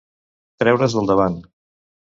Treure's del davant.